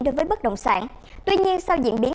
đối với bất động sản tuy nhiên sau diễn biến